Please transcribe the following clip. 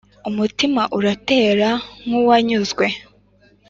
umutima uratera nk' uwanyuzwe